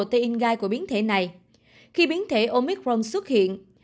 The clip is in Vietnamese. nghiên cứu về biến thể omicron